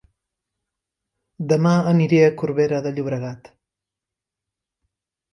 Dema aniré a Corbera de Llobregat